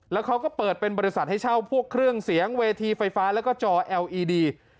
แล้วเขาก็เปิดเป็นบริษัทให้เช่าพวกเครื่องเสียงเวทีไฟฟ้าแล้วก็จอเอลอีดี